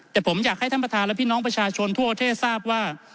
แต่ผมอยากให้ท่านประธานและพี่น้องประชาชนทั่วประเทศทราบว่า